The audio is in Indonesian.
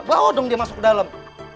bawa dong dia masuk dalam